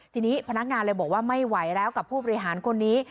ทีนี้พนักงานเลยบอกว่าไม่ไหวแล้วกับผู้บริหารคนนี้